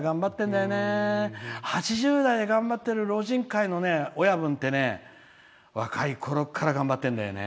８０代で頑張ってる老人会の親分って若いころから頑張ってるんだよね。